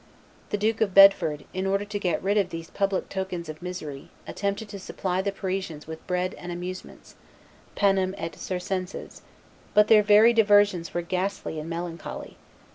The Duke of Bedford, in order to get rid of these public tokens of misery, attempted to supply the Parisians with bread and amusements (panem et circenses); but their very diversions were ghastly and melancholy.